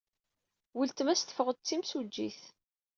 Weltma-s teffeɣ-d d timsujjit.